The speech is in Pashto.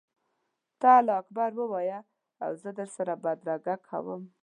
ته الله اکبر ووایه او زه در سره بدرګه کوم.